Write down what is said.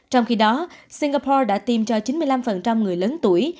trong khi đó singapore đã tiêm cho chín mươi năm người lớn tuổi